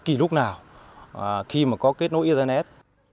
kỷ lúc nào khi mà có kết nối internet